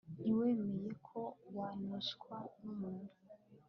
ntiwemere ko waneshwa numuntu